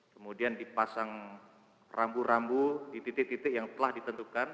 kemudian dipasang rambu rambu di titik titik yang telah ditentukan